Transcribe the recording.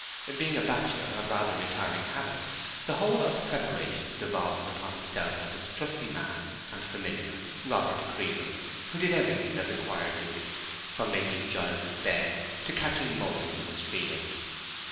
Being a bachelor of rather retiring habits, the whole of the preparations devolved upon himself and his trusty man and familiar, Robert Creedle, who did everything that required doing, from making Giles's bed to catching moles in his field.